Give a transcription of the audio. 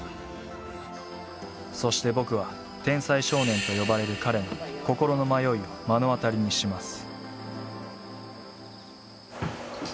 そして僕は天才少年と呼ばれる彼の心の迷いを目の当たりにします